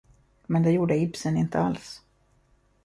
Men det gjorde Ibsen inte alls.